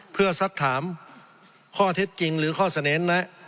เพื่อสักถามข้อเท็จจริงหรือข้อเสนอแนะ